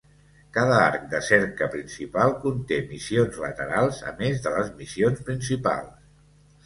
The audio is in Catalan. Cada arc de cerca principal conté missions laterals a més de les missions principals.